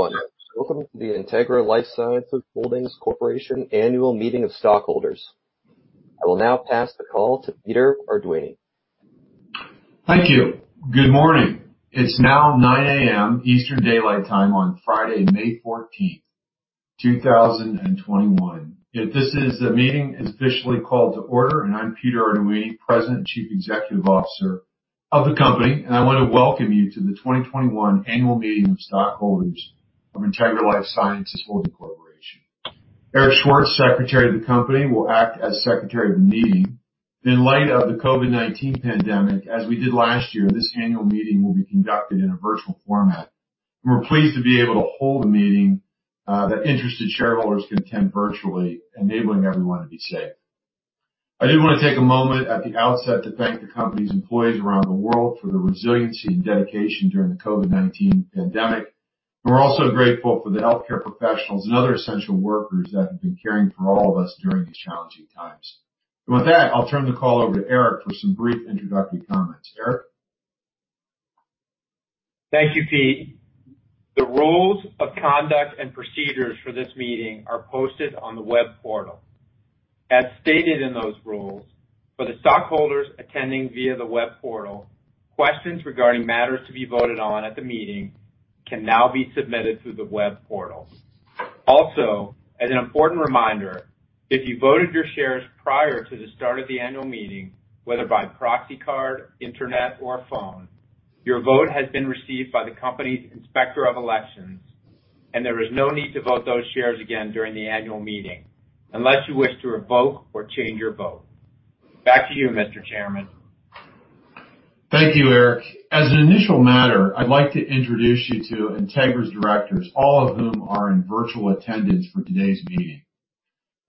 Hello, everyone. Welcome to the Integra LifeSciences Holdings Corporation annual meeting of stockholders. I will now pass the call to Peter Arduini. Thank you. Good morning. It's now 9:00 A.M. Eastern Daylight Time on Friday, May 14th, 2021. This is the meeting officially called to order, and I'm Peter Arduini, President and Chief Executive Officer of the company, and I want to welcome you to the 2021 annual meeting of stockholders of Integra LifeSciences Holdings Corporation. Eric Schwartz, Secretary of the company, will act as secretary of the meeting. In light of the COVID-19 pandemic, as we did last year, this annual meeting will be conducted in a virtual format. We're pleased to be able to hold a meeting that interested shareholders can attend virtually, enabling everyone to be safe. I did want to take a moment at the outset to thank the company's employees around the world for their resiliency and dedication during the COVID-19 pandemic. We're also grateful for the healthcare professionals and other essential workers that have been caring for all of us during these challenging times. With that, I'll turn the call over to Eric for some brief introductory comments. Eric? Thank you, Pete. The rules of conduct and procedures for this meeting are posted on the web portal. As stated in those rules, for the stockholders attending via the web portal, questions regarding matters to be voted on at the meeting can now be submitted through the web portal. Also, as an important reminder, if you voted your shares prior to the start of the annual meeting, whether by proxy card, internet, or phone, your vote has been received by the company's Inspector of Elections, and there is no need to vote those shares again during the annual meeting unless you wish to revoke or change your vote. Back to you, Mr. Chairman. Thank you, Eric. As an initial matter, I'd like to introduce you to Integra's directors, all of whom are in virtual attendance for today's meeting.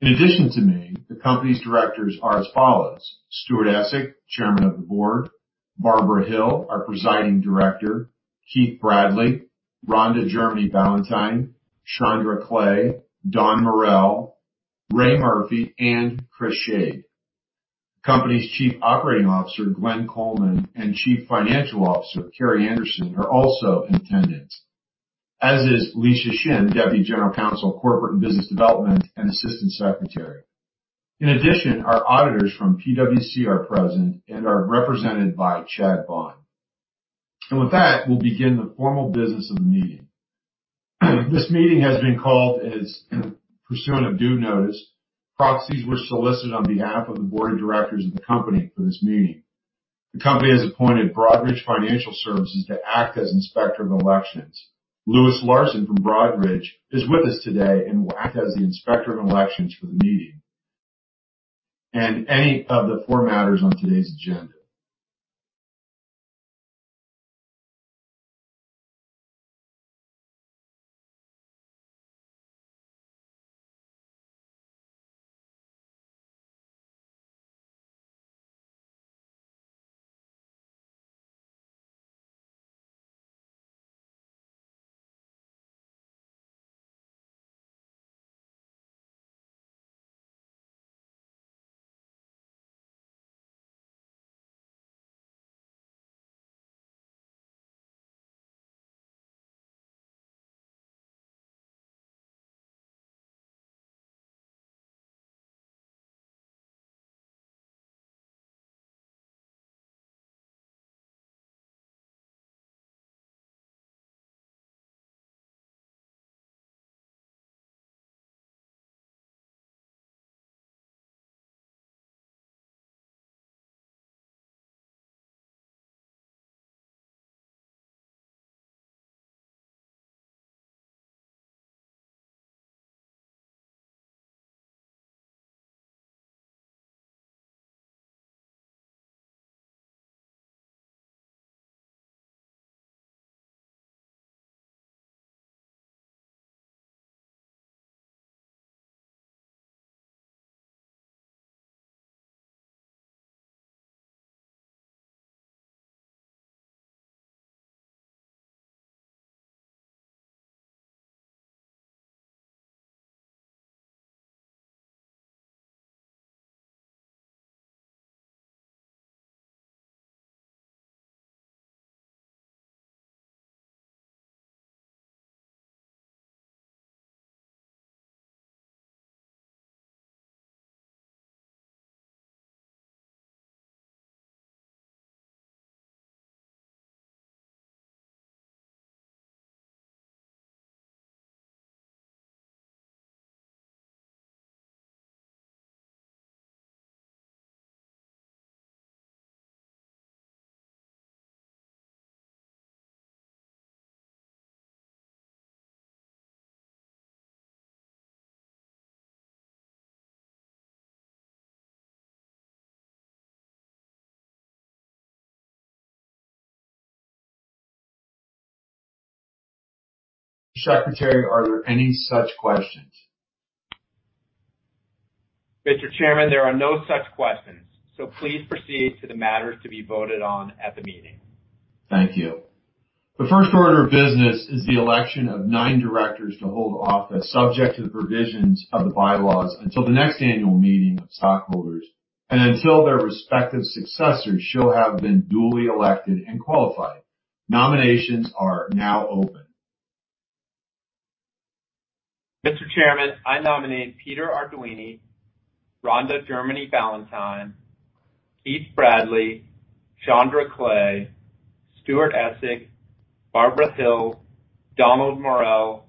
In addition to me, the company's directors are as follows: Stuart Essig, Chairman of the Board, Barbara Hill, our Presiding Director, Keith Bradley, Rhonda Germany Ballintyn, Shondra Clay, Donald Morel, Ray Murphy, and Chris Schade. The company's Chief Operating Officer, Glenn Coleman, and Chief Financial Officer, Carrie Anderson, are also in attendance, as is Lesha Shinn, Deputy General Counsel, Corporate and Business Development, and Assistant Secretary. With that, we'll begin the formal business of the meeting. This meeting has been called as pursuant of due notice. Proxies were solicited on behalf of the Board of Directors of the Company for this meeting. The company has appointed Broadridge Financial Solutions to act as Inspector of Elections. Louis Larson from Broadridge is with us today and will act as the Inspector of Elections for the meeting and any of the four matters on today's agenda. Mr. Secretary, are there any such questions? Mr. Chairman, there are no such questions, so please proceed to the matters to be voted on at the meeting. Thank you. The first order of business is the election of nine directors to hold office, subject to the provisions of the bylaws, until the next annual meeting of stockholders and until their respective successors shall have been duly elected and qualified. Nominations are now open. Mr. Chairman, I nominate Peter Arduini, Rhonda Germany Ballintyn, Keith Bradley, Shondra Clay, Stuart Essig, Barbara B. Hill, Donald E. Morel, Jr.,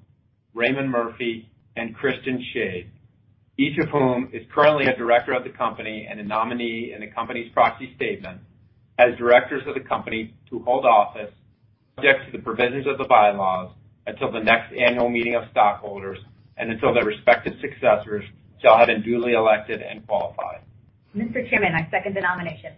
Raymond G. Murphy, and Christian S. Schade, each of whom is currently a director of the company and a nominee in the company's proxy statement, as directors of the company to hold office subject to the provisions of the bylaws until the next annual meeting of stockholders and until their respective successors shall have been duly elected and qualified. Mr. Chairman, I second the nomination.